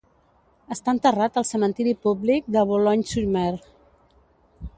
Està enterrat al cementiri públic de Boulogne-sur-Mer.